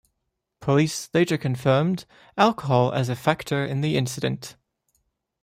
Police later confirmed alcohol as a factor in the accident.